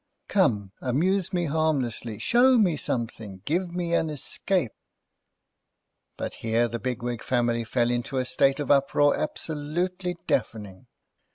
Come! Amuse me harmlessly, show me something, give me an escape!" But, here the Bigwig family fell into a state of uproar absolutely deafening.